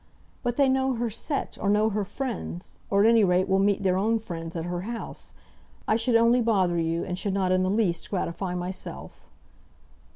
"But they know her set, or know her friends, or, at any rate, will meet their own friends at her house. I should only bother you, and should not in the least gratify myself."